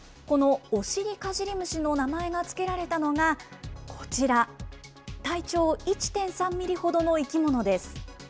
このオシリカジリムシの名前が付けられたのがこちら、体長１．３ミリほどの生き物です。